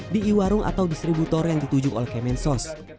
di iwarung atau distributor yang ditujuk oleh kemensos